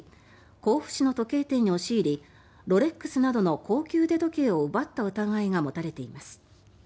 甲府市の時計店に押し入りロレックスなどの高級腕時計を奪った疑いが持たれています。